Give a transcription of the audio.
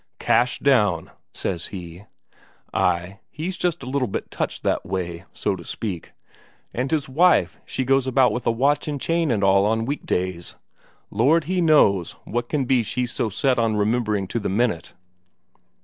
'Cash down,' says he. Ay, he's just a little bit touched that way, so to speak, and his wife she goes about with a watch and chain and all on weekdays Lord He knows what can be she's so set on remembering to the minute."